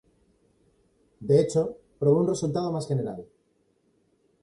De hecho, probó un resultado más general.